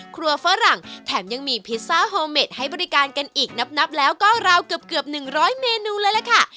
ครัวฝรั่งแถมยังมีพิซซ่าโฮเมดให้บริการกันอีกนับแล้วก็ราวเกือบ๑๐๐เมนูเลยล่ะค่ะ